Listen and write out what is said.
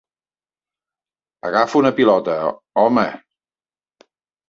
Agafa una pilota, home.